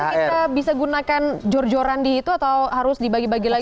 apakah kita bisa gunakan jor joran di itu atau harus dibagi bagi lagi